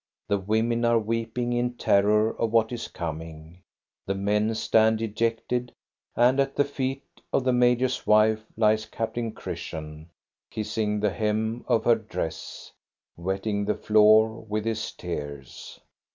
The women are weeping in terror ol what is coming, the men stand dejected, and at th< feet of the major's wife lies Captain Christian, kiss — ing the hem of her dress, wetting the floor with his tears.